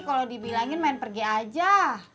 kalau dibilangin main pergi aja